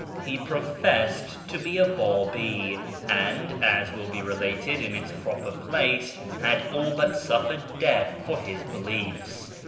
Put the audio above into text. He professed to be a Babi, and (as will be related in its proper place) had all but suffered death for his beliefs.